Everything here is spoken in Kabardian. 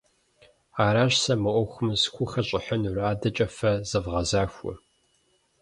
Аращ сэ мы ӏуэхум схухэщӏыхьынур, адэкӏэ фэ зэвгъэзахуэ.